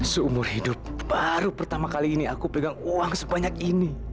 seumur hidup baru pertama kali ini aku pegang uang sebanyak ini